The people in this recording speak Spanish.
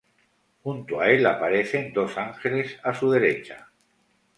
Junto a Él aparecen dos ángeles a su derecha.